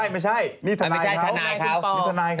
ไม่ใช่นี่ทนายเขานี่ทนายเขา